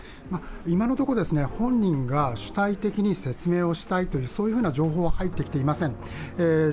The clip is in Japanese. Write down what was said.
今のところ、本人が主体的に説明したいという情報は入ってきていません。